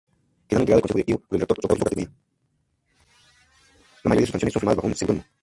La mayoría de sus canciones son firmadas bajo un seudónimo.